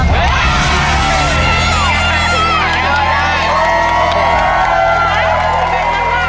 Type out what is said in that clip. เต๋อลูกใส่เลย